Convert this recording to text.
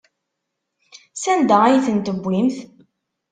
Sanda ay tent-tewwimt?